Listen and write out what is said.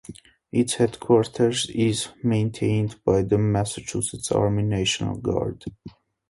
Its headquarters is maintained by the Massachusetts Army National Guard.